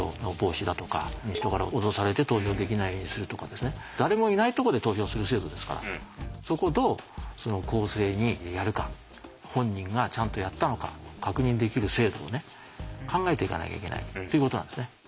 ですから誰もいないとこで投票する制度ですからそこをどう公正にやるか本人がちゃんとやったのか確認できる制度をね考えていかなきゃいけないということなんですね。